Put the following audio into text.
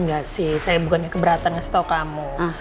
nggak sih saya bukannya keberatan ngasih tau kamu